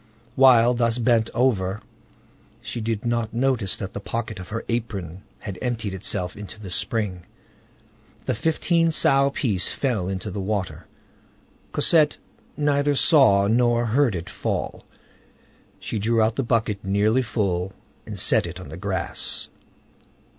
While thus bent over, she did not notice that the pocket of her apron had emptied itself into the spring. The fifteen sou piece fell into the water. Cosette neither saw nor heard it fall. She drew out the bucket nearly full, and set it on the grass.